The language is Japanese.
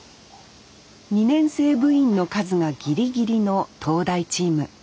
２年生部員の数がギリギリの東大チーム。